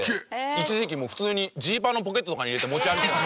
一時期もう普通にジーパンのポケットとかに入れて持ち歩いてたんですよ。